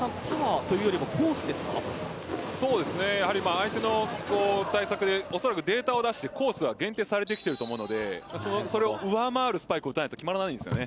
そうですねやはり相手の対策でおそらくデータを出してコースを限定されてきていると思うのでそれを上回るスパイクを打たないと決まらないんですよね。